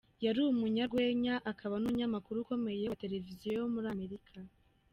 Yari umunyarwenya akaba n’umunyamakuru ukomeye wa Televiziyo muri Amerika.